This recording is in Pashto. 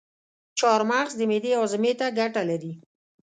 چارمغز د معدې هاضمي ته ګټه لري.